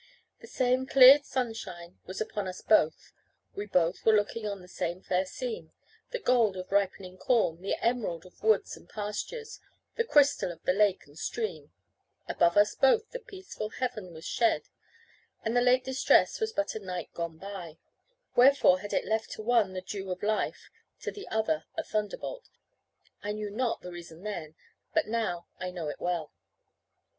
The same clear sunshine was upon us both: we both were looking on the same fair scene the gold of ripening corn, the emerald of woods and pastures, the crystal of the lake and stream; above us both the peaceful heaven was shed, and the late distress was but a night gone by wherefore had it left to one the dew of life, to the other a thunderbolt? I knew not the reason then, but now I know it well.